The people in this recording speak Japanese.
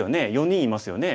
４人いますよね。